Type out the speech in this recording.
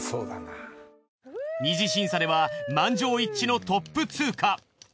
二次審査では満場一致のトップ通過。